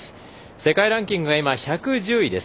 世界ランキングは１１０位です。